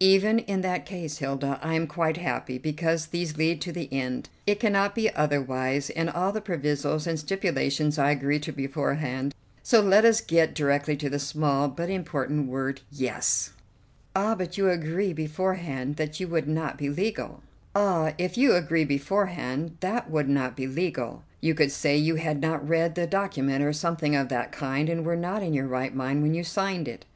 "Even in that case, Hilda, I am quite happy, because these lead to the end. It cannot be otherwise, and all the provisos and stipulations I agree to beforehand, so let us get directly to the small but important word 'Yes!'" "Ah, if you agreed beforehand that would not be legal. You could say you had not read the document, or something of that kind, and were not in your right mind when you signed it."